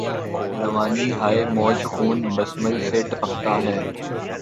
روانی ہاۓ موج خون بسمل سے ٹپکتا ہے